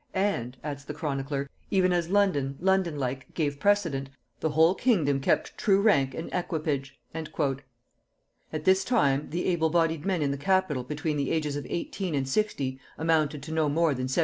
"And," adds the chronicler, "even as London, London like, gave precedent, the whole kingdom kept true rank and equipage." At this time, the able bodied men in the capital between the ages of eighteen and sixty amounted to no more than 17,083.